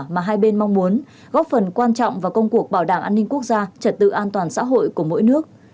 mà hai bên mong muốn góp phần quan trọng vào công cuộc bảo đảm an ninh quốc gia trật tự an toàn xã hội của mỗi nước